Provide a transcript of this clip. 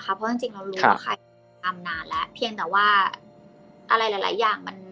เพราะจริงเรารู้ว่าใครทำนานแล้วเพียงแต่ว่าอะไรหลายอย่าง